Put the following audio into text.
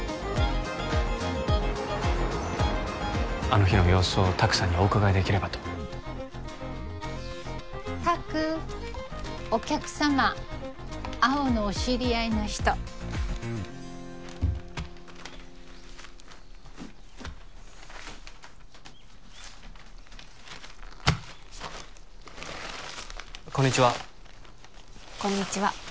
あの日の様子を拓さんにお伺いできればと拓お客様蒼生のお知り合いの人こんにちはこんにちは